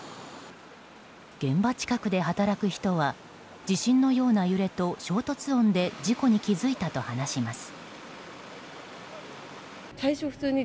現場近くで働く人は地震のような揺れと衝突音で事故に気付いたと話します。